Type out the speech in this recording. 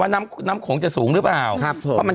โทษทีน้องโทษทีน้อง